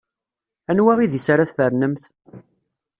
Anwa idis ara tfernemt?